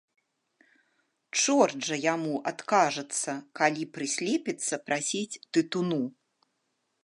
Чорт жа яму адкажацца, калі прыслепіцца прасіць тытуну.